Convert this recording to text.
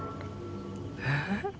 えっ？